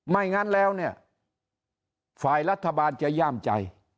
ไม่งั้นแล้วเนี่ยฝ่ายรัฐบาลจะย่ามใจ